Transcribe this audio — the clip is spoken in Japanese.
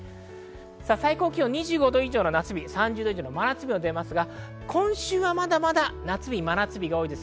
最高気温２５度以上の夏日、３０度以上の真夏日もありますが、今週はまだまだ真夏日があります。